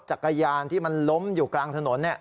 จากกระยานที่มันล้มอยู่กลางถนนเนี่ย